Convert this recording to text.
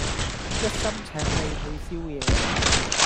一心請你去宵夜